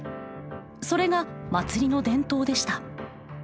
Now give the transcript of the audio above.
それが祭りの伝統でした。